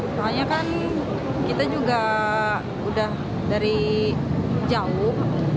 soalnya kan kita juga udah dari jauh